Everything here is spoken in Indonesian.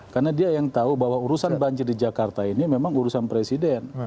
karena dia yang tahu bahwa urusan banjir di jakarta ini memang urusan presiden